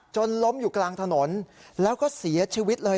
ล้มอยู่กลางถนนแล้วก็เสียชีวิตเลย